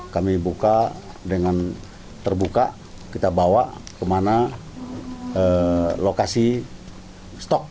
kami buka dengan terbuka kita bawa kemana lokasi stok